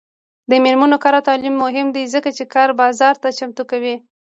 د میرمنو کار او تعلیم مهم دی ځکه چې کار بازار ته چمتو کوي.